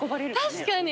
確かに。